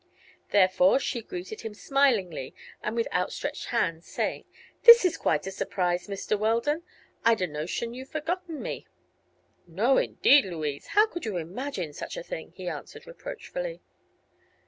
Therefore she greeted him smilingly and with outstretched hand, saying: "This is quite a surprise, Mr. Weldon. I'd a notion you had forgotten me." "No, indeed, Louise! How could you imagine such a thing?" he answered, reproachfully.